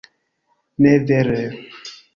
Ne vere...